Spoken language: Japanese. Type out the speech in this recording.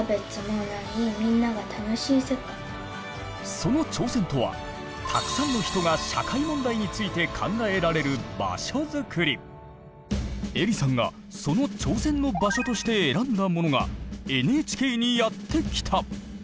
その挑戦とはたくさんの人がえりさんがその挑戦の場所として選んだものがＮＨＫにやって来た！